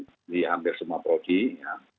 jadi hampir semua prodi ya